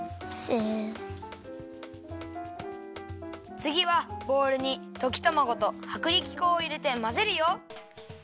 つぎはボウルにときたまごとはくりき粉をいれてまぜるよ。